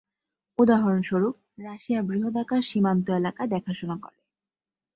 উদাহরণস্বরূপ, রাশিয়া বৃহদাকার সীমান্ত এলাকা দেখাশোনা করে।